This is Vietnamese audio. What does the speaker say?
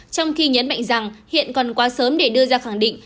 trong khi nhấn mạnh rằng hiện còn quá sớm để đưa ra khẳng định